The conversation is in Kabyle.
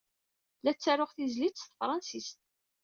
La ttaruɣ tizlit s tefṛensist.